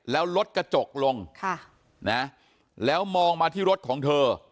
แล้วรถกระจกลงแล้วมองมาที่รถของเธอ